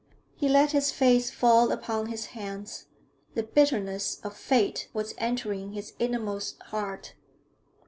He let his face fall upon his hands; the bitterness of fate was entering his inmost heart.